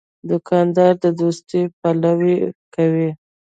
دوکاندار د دوستۍ پلوي کوي.